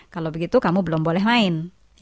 kalau begitu kamu belum boleh main